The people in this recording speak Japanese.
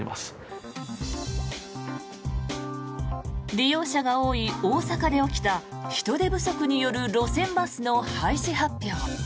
利用者が多い大阪で起きた人手不足による路線バスの廃止発表。